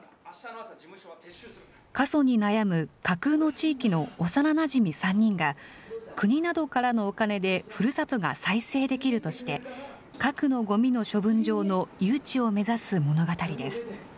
過疎に悩む架空の地域の幼なじみ３人が、国などからのお金でふるさとが再生できるとして、核のごみの処分場の誘致を目指す物語です。